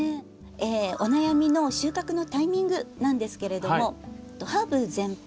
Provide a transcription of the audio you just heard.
お悩みの収穫のタイミングなんですけれどもハーブ全般